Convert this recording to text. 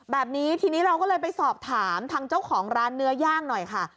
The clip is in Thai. แบบนี้ทีนี้เราก็เลยไปสอบถามทางเจ้าของร้านเนื้อย่างหน่อยค่ะ